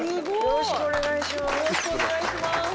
よろしくお願いします。